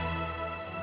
yaudah gak jadi deh